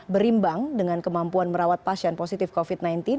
berimbang dengan kemampuan merawat pasien positif covid sembilan belas